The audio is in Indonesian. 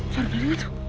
suara benar benar tuh